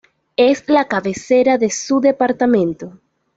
Es la cabecera de su departamento.